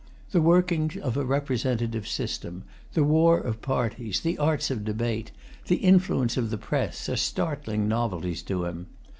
The working of a representative system, the war of parties, the arts of debate, the influence of the press, are startling novelties to him.